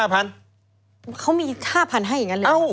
ลงมา๕๐๐๐บาท